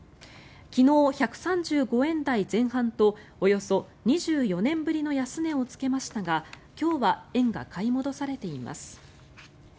昨日、１３５円台前半とおよそ２４年ぶりの安値をつけましたが今日は円が買い戻されています。